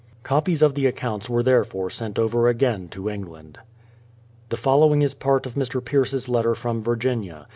Copies of the accounts were therefore sent over again to England. The following is part of Mr. Pierce's letter from Virginia.